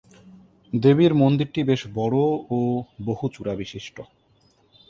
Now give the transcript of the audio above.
দেবীর মন্দিরটি বেশ বড়ো ও বহুচূড়াবিশিষ্ট।